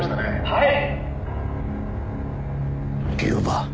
はい。